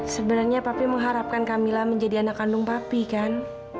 sebenarnya papi mengharapkan kamila menjadi anak kandung papi kan